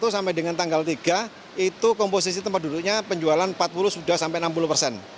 sampai dengan tanggal tiga komposisi tempat duduknya penjualan empat puluh sampai enam puluh persen